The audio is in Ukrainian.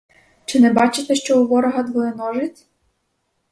Чи не бачите, що у ворога двоє ножиць.